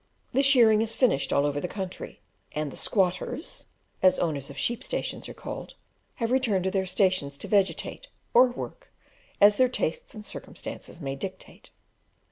The shearing is finished all over the country, and the "squatters" (as owners of sheep stations are called) have returned to their stations to vegetate, or work, as their tastes and circumstances may dictate.